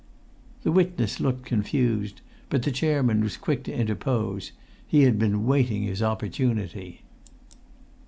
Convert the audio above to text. The witness looked confused; but the chairman was quick to interpose; he had been waiting his opportunity.